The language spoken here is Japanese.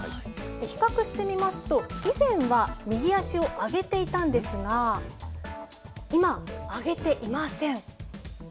比較して見ますと以前は右足を上げていたんですが今上げていません。